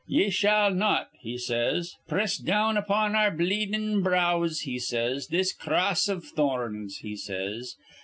'Ye shall not,' he says, 'press down upon our bleedin' brows,' he says, 'this cross iv thorns,' he says.